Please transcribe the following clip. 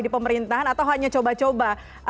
di pemerintahan atau hanya coba coba